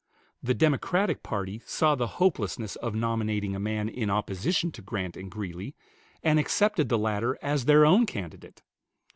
The Democratic party saw the hopelessness of nominating a man in opposition to Grant and Greeley, and accepted the latter as their own candidate.